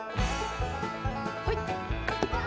はい！